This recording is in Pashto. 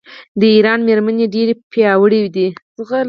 د ایران میرمنې ډیرې پیاوړې دي.